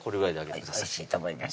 おいしいと思います